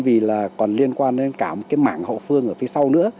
vì là còn liên quan đến cả một cái mảng hậu phương ở phía sau nữa